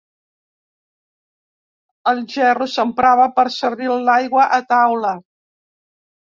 El gerro s'emprava per servir l'aigua a taula.